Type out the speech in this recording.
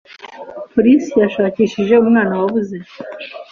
Polisi yashakishije umwana wabuze.